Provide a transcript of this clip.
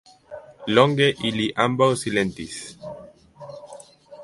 Longe ili ambaŭ silentis.